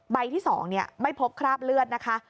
ใบที่สองเนี่ยไม่พบคราบเลือดนะคะ